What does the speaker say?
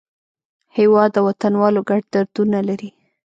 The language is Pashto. هېواد د وطنوالو ګډ دردونه لري.